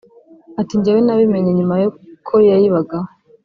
Ati “ Njyewe nabimenye nyuma ko yayibagaho